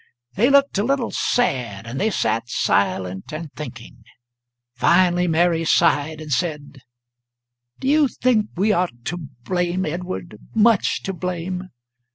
They looked a little sad, and they sat silent and thinking. Finally Mary sighed and said: "Do you think we are to blame, Edward much to blame?"